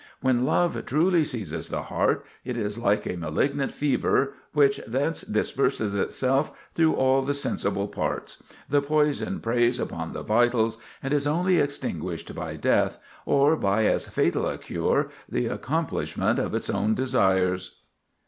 When love truly seizes the heart, it is like a malignant fever which thence disperses itself through all the sensible parts; the poison preys upon the vitals, and is only extinguished by death; or by as fatal a cure, the accomplishment of its own desires."